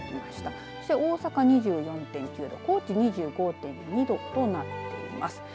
大阪２４．９度高知２５．２度となっています。